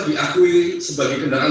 diakui sebagai kendaraan